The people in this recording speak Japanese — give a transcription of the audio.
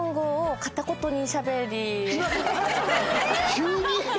急に？